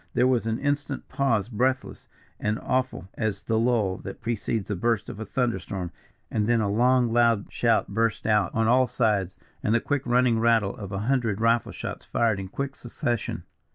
There was an instant's pause, breathless and awful as the lull that precedes the burst of a thunderstorm; and then a long loud shout burst out on all sides, and the quick running rattle of a hundred rifle shots fired in quick succession.